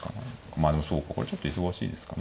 まあでもそうかこれちょっと忙しいですかね。